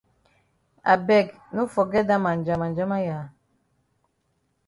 I beg no forget dat ma njamanjama ya.